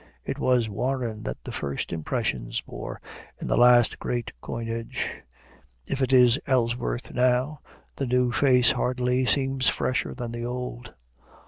It was Warren that the first impression bore in the last great coinage; if it is Ellsworth now, the new face hardly seems fresher than the old.